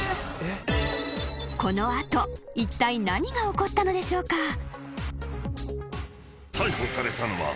［この後いったい何が起こったのでしょうか？］